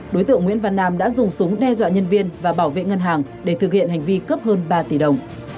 đối tượng nguyễn văn nam đã dùng súng đe dọa nhân viên và bảo vệ ngân hàng để thực hiện hành vi cướp hơn ba tỷ đồng